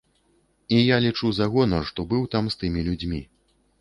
І я лічу за гонар, што быў там з тымі людзьмі.